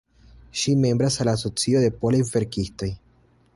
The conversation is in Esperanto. Ŝi membras al la Asocio de Polaj Verkistoj.